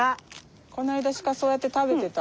この間鹿そうやって食べてた。